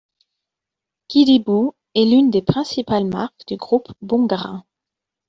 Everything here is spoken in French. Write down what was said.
Kidiboo est l'une des principales marques du groupe Bongrain.